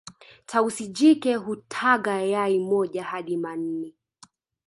tausi jike hutaga yai moja hadi manne